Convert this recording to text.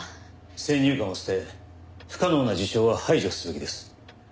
先入観を捨て不可能な事象は排除すべきです。